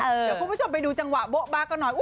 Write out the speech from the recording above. เดี๋ยวคุณผู้ชมไปดูจังหวะโบ๊ะบ๊ะกันหน่อย